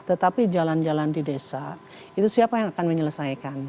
tetapi jalan jalan di desa itu siapa yang akan menyelesaikan